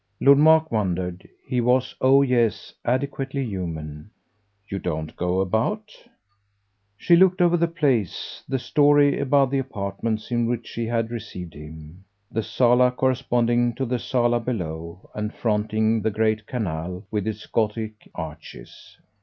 Lord Mark wondered he was, oh yes, adequately human. "You don't go about?" She looked over the place, the storey above the apartments in which she had received him, the sala corresponding to the sala below and fronting the great canal with its gothic arches.